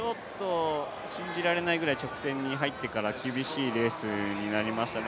信じられないぐらい直線に入ってから厳しいレースになりましたね。